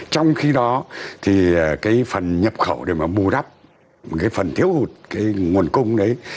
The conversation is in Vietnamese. trong khi đó thì cái phần nhập khẩu để mà bù đắp cái phần thiếu hụt cái nguồn cung đấy